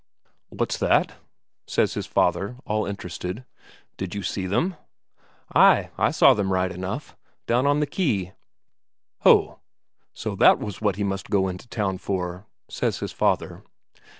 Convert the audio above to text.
"What's that?" says his father, all interested. "Did you see them?" "Ay, I saw them right enough. Down on the quay." "Ho! So that was what he must go in to town for," says his father.